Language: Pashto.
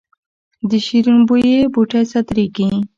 د شیرین بویې بوټی صادریږي